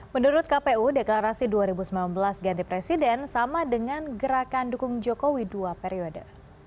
menurut kpu deklarasi dua ribu sembilan belas ganti presiden sama dengan gerakan dukung jokowi dua periode